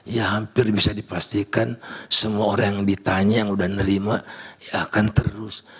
ya hampir bisa dipastikan semua orang yang ditanya yang udah nerima akan terus